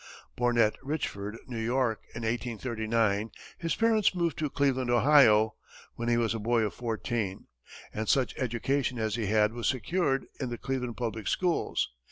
Born at Richford, New York, in 1839, his parents moved to Cleveland, Ohio, when he was a boy of fourteen, and such education as he had was secured in the Cleveland public schools.